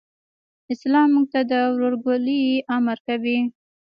اسلام موږ ته د ورورګلوئ امر کوي.